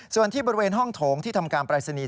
ส่วนที่บริเวณห้องโถงที่ทำการปรายศนีย์